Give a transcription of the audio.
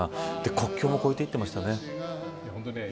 国境も越えていましたね。